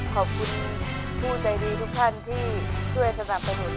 ขอบคุณผู้ใจดีทุกท่านที่ช่วยสนับสนุน